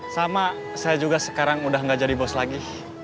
sama saya juga sekarang udah gak jadi bos lagi